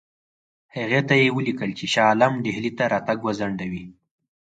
هغې ته یې ولیکل چې شاه عالم ډهلي ته راتګ وځنډوي.